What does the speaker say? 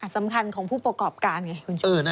สำคัญของผู้ประกอบการไงคุณ